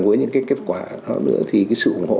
với những cái kết quả đó nữa thì cái sự ủng hộ